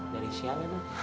dari siapa ma